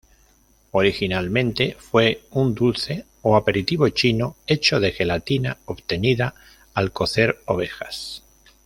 Originalmente fue un dulce o aperitivo chino hecho de gelatina obtenida al cocer ovejas.